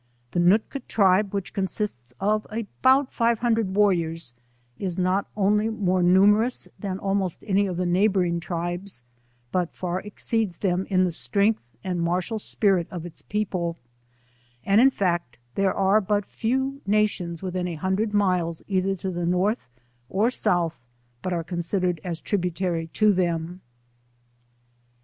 The Noolka tribe which consists of about five hundred warriors, is not only more numerous than almost any of the neighbouring tribes, but far exceeds them in the strength and martial spirit of it« people; and in fact there are but few nations within a hundred miles either to the North or South but are considered as tributary to them.